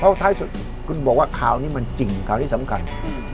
เพราะท้ายสุดคุณบอกว่าข่าวนี้มันจริงข่าวที่สำคัญ